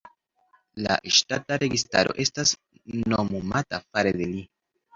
La ŝtata registaro estas nomumata fare de li.